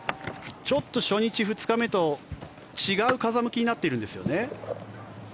初日、２日目と違う風向きになっているんですよね？